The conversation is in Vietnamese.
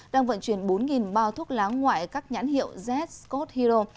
đang vận chuyển bốn bao thuốc lá ngoại các nhãn hiệu z code hero